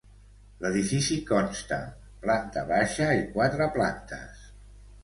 L'edifici consta planta baixa i quatre plantes.